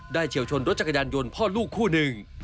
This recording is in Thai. เฉียวชนรถจักรยานยนต์พ่อลูกคู่หนึ่ง